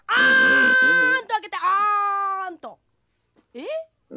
えっ？